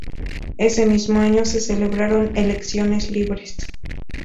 Ese mismo año se celebraron elecciones libres.